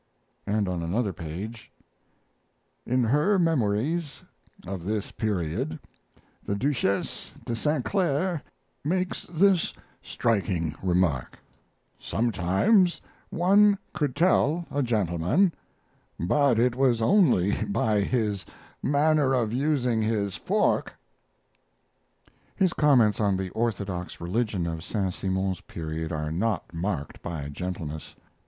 And on another page: In her memories of this period the Duchesse de St. Clair makes this striking remark: "Sometimes one could tell a gentleman, but it was only by his manner of using his fork." His comments on the orthodox religion of Saint Simon's period are not marked by gentleness.